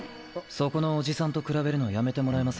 そこのおじさんと比べるのやめてもらえませんか。